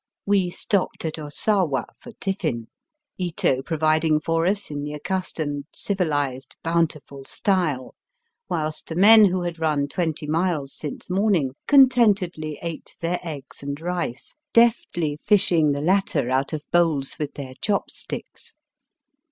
We stopped at Osawa for tiffin, Ito pro viding for us in the accustomed civilized, bountiful style, whilst the men who had run twenty miles since morning contentedly ate their eggs and rice, deftly fishing the latter out of bowls with their chopsticks.